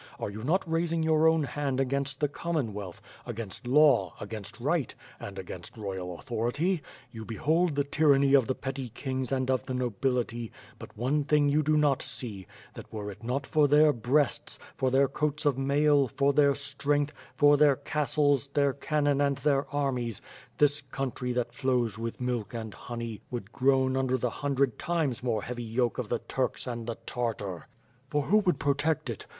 Are you not raising your own hand against the Commonwealth; against law, against right, and against royal authority? You behold the tryanny of the petty kings and of the nobility, but one thing you do not see; that were it not for their breasts, for their coats of mail, for their strength, for their WITH FIRE AND SWORD. i^^ castles, their cannon and their armies this country that flows with milk and honey would groan under the hundred times more heavy yoke of the Turks and the Tartar! For who would protect it?